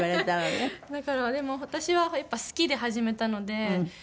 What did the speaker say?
だからでも私はやっぱり好きで始めたので。